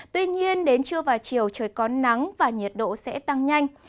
tuy nhiên đến trưa và chiều trời có nắng và nhiệt độ sẽ tăng nhanh